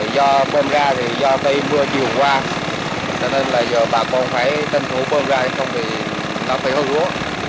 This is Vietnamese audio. do bơm ra thì do mưa chiều qua cho nên là do bà con phải tên thủ bơm ra thì không thì nó phải hơi lúa